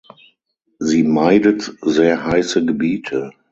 Sie meidet sehr heiße Gebiete.